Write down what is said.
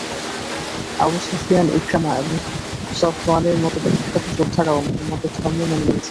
Abu Sufyan Ikrimah এবং সফওয়ানের মত বিখ্যাত যোদ্ধারাও মুহাম্মাদের ধর্ম মেনে নিয়েছে।